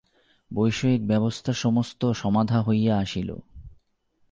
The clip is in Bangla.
বৈষয়িক ব্যবস্থা সমস্ত সমাধা হইয়া আসিল।